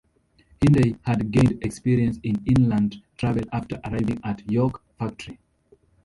Henday had gained experience in inland travel after arriving at York Factory.